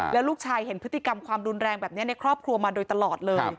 แล้วลูกชายเห็นพฤติกรรมความรุนแรงแบบนี้ในครอบครัวมาโดยตลอดเลย